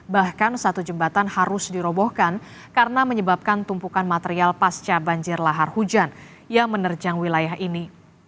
bahkan satu jembatan harus dirobohkan karena menyebabkan tumpukan material pasca banjir lahar hujan yang menerjang wilayah ini